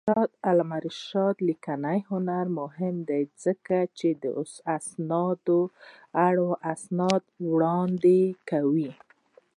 د علامه رشاد لیکنی هنر مهم دی ځکه چې اسناد وړاندې کوي.